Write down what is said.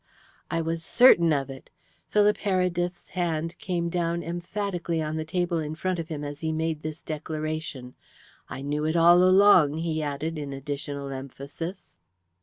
"I was certain of it." Philip Heredith's hand came down emphatically on the table in front of him as he made this declaration. "I knew it all along," he added in additional emphasis.